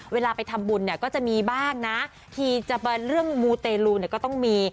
เวลาไปทำบุญก็จะมีบ้างนะทีจะเป็นเรื่องมูเตรูก็ต้องมี